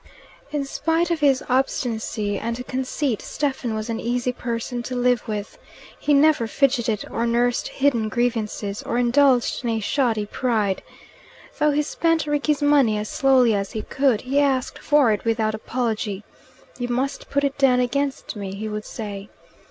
In spite of his obstinacy and conceit, Stephen was an easy person to live with. He never fidgeted or nursed hidden grievances, or indulged in a shoddy pride. Though he spent Rickie's money as slowly as he could, he asked for it without apology: "You must put it down against me," he would say.